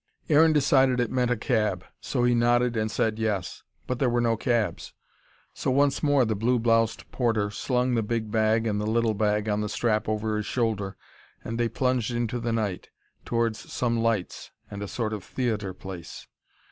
Aaron decided it meant a cab, so he nodded and said "Yes." But there were no cabs. So once more the blue bloused porter slung the big bag and the little bag on the strap over his shoulder, and they plunged into the night, towards some lights and a sort of theatre place.